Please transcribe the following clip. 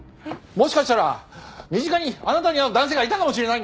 もしかしたら身近にあなたに合う男性がいたかもしれないんだよ！？